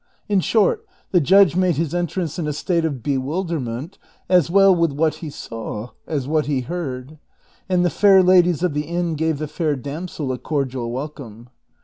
In short, the judge made his entrance in a state of bewilderment, as well with what he saw as what he heard, and the fair ladies of the inn gave the fair damsel a cordial welcome.